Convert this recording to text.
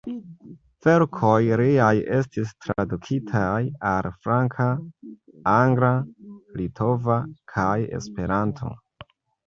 Verkoj liaj estis tradukitaj al franca, angla, litova kaj Esperanto.